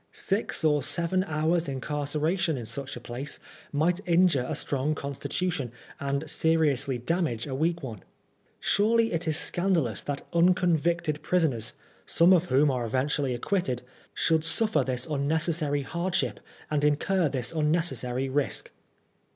Six or seven hours' incarceration in such a place might injure a strong constitution and seriously damage a weak one. Surely it is scandalous that unconvicted prisoners, some of whom are eventually acquitted, should suffer this unnecessary hardship and incur this unnecessary risk.